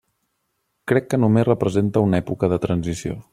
Crec que només representa una època de transició.